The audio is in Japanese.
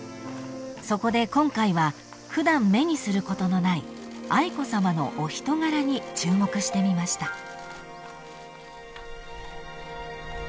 ［そこで今回は普段目にすることのない愛子さまのお人柄に注目してみました］